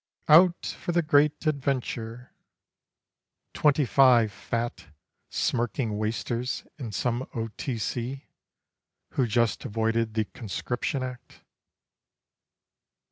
"Out for the Great Adventure" (twenty five Fat, smirking wasters in some O.T.C., Who just avoided the Conscription Act!)